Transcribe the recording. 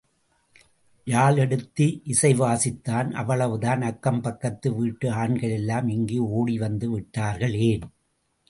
யாழ் எடுத்து இசை வாசித்தான் அவ்வளவுதான் அக்கம் பக்கத்து வீட்டு ஆண்கள் எல்லாம் இங்கே ஓடிவந்துவிட்டார்கள் ஏன்?